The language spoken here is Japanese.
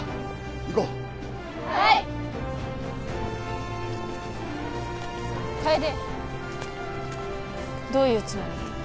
行こうはい楓どういうつもり？